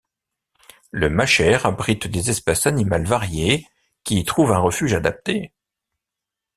Le machair abrite des espèces animales variées, qui y trouvent un refuge adapté.